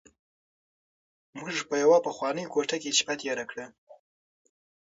موږ په یوه پخوانۍ کوټه کې شپه تېره کړه.